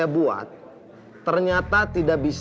buat siapa tops